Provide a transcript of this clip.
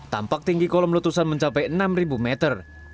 tampak tinggi kolom letusan mencapai enam meter